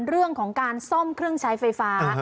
เรื่องของการซ่อมเครื่องใช้ไฟฟ้า